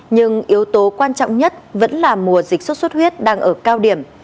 nhưng yếu tố quan trọng nhất vẫn là mùa dịch sốt xuất huyết đang ở cao điểm